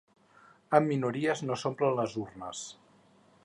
Amb minories no s’omplen les urnes.